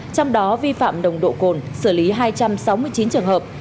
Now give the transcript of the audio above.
trong đó vi phạm nồng độ cồn xử lý hai trăm sáu mươi chín trường hợp